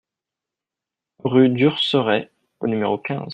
Rue d'Urcerey au numéro quinze